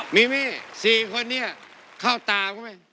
มิมมี่สี่คนนี้เข้าตาไหม